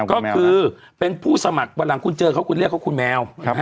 ก็คือเป็นผู้สมัครวันหลังคุณเจอเขาคุณเรียกเขาคุณแมว